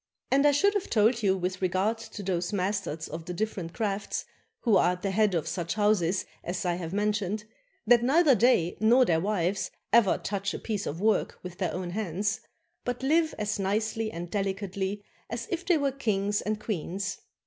And I should have told you with regard to those masters of the differ ent crafts who are at the head of such houses as I have mentioned, that neither they nor their wives ever touch a piece of work with their own hands, but live as nicely and delicately as if they were kings and queens.